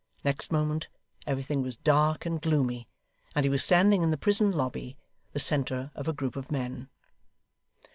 Next moment, everything was dark and gloomy, and he was standing in the prison lobby; the centre of a group of men.